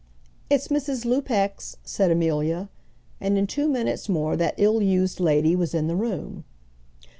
"It's Mrs. Lupex," said Amelia. And in two minutes more that ill used lady was in the room.